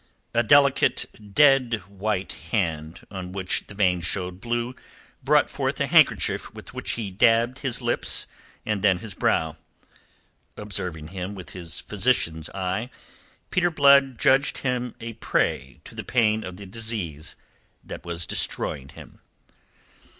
A delicate dead white hand, on which the veins showed blue, brought forth a handkerchief with which he dabbed his lips and then his brow. Observing him with his physician's eye, Peter Blood judged him a prey to the pain of the disease that was destroying him.